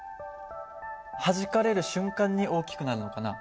はじかれる瞬間に大きくなるのかな。